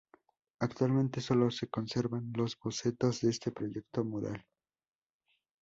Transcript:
Actualmente sólo se conservan los bocetos de este proyecto mural.